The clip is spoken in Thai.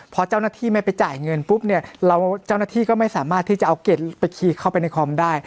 พอเจ้าหน้าที่ไม่ไปจ่ายเงินปุ๊บเนี่ยเราเจ้าหน้าที่ก็ไม่สามารถที่จะเอาเกร็ดไปขี่เข้าไปในคอมได้